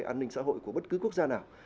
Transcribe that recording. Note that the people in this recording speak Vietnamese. an ninh xã hội của bất cứ quốc gia nào